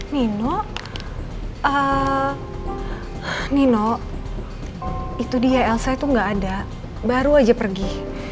nino nino itu dia elsa itu nggak ada baru aja pergi